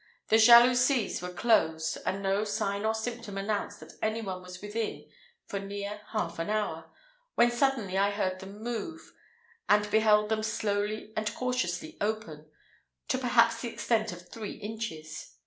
The jalousies were closed, and no sign or symptom announced that any one was within for near half an hour, when suddenly I heard them move, and beheld them slowly and cautiously open, to perhaps the extent of three inches.